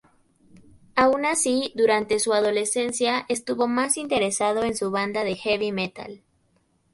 Aun así, durante su adolescencia estuvo más interesado en su banda de heavy metal.